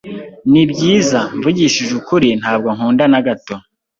Nibyiza, mvugishije ukuri, ntabwo nkunda na gato.